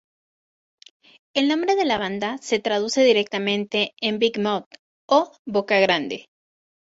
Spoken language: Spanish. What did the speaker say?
El nombre de la banda se traduce directamente en "Big mouth" o "Boca Grande".